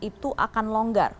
itu akan longgar